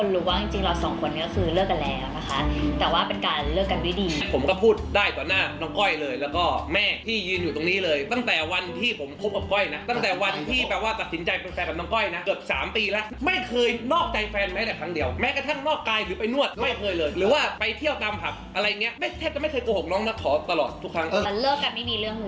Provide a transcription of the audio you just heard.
แล้วเลิกกันไม่มีเรื่องมือที่๓เลยค่ะ